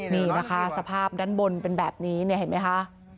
นี่นะคะสภาพด้านบนเป็นแบบนี้เนี่ยเห็นไหมคะ